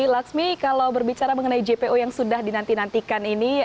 laksmi kalau berbicara mengenai jpo yang sudah dinantikan ini